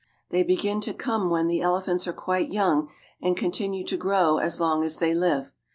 They begin to come when the elephants are quite young, and continue to grow as long as they live.